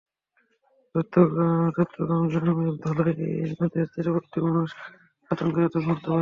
চৈতন্যগঞ্জ গ্রামের ধলাই নদের তীরবর্তী মানুষ আতঙ্কে রাতে ঘুমাতে পারেন না।